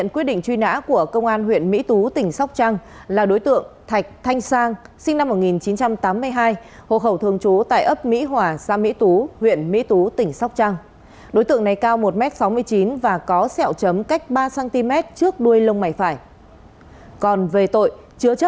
lý thị thùy trang sinh năm một nghìn chín trăm tám mươi hai hộ khẩu thường trú tại số tám trăm chín mươi bảy trên tám mươi bảy trên một mươi năm a trần hương đạo